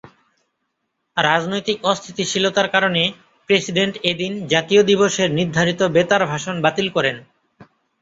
রাজনৈতিক অস্থিতিশীলতার কারণে প্রেসিডেন্ট এদিন জাতীয় দিবসের নির্ধারিত বেতার ভাষণ বাতিল করেন।